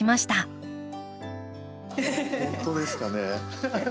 本当ですかね。